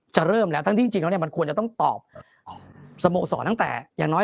จะเริ่มแล้วจริงก็มันควรจะต้องตอบชอนั้นแต่อย่างน้อย